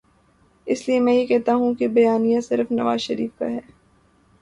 اس لیے میں یہ کہتا ہوں کہ بیانیہ صرف نوازشریف کا ہے۔